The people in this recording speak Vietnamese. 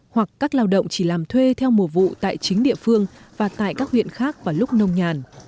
hoặc các lao động chỉ làm thuê theo mùa vụ tại chính địa phương và tại các huyện khác vào lúc nông nhàn